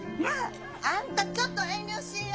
あんたちょっと遠慮しいや！